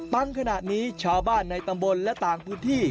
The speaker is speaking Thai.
ขณะนี้ชาวบ้านในตำบลและต่างพื้นที่